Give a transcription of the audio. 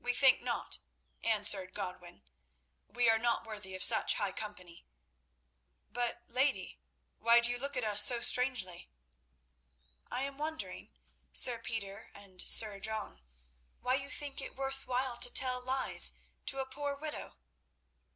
"We think not," answered Godwin; "we are not worthy of such high company. But, lady, why do you look at us so strangely?" "I am wondering, Sir Peter and Sir John, why you think it worth while to tell lies to a poor widow?